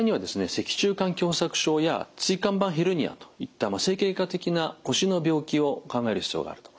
脊柱管狭窄症や椎間板ヘルニアといった整形外科的な腰の病気を考える必要があるということです。